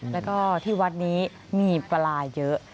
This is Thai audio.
แล้วก็ที่วัดนี้มีปลาเยอะ